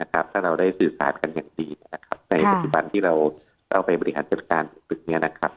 ถ้าเราได้สื่อสารกันอย่างดีนะครับในสถิบันที่เราเอาไปบริหารเจ็บสารปรึกนี้นะครับ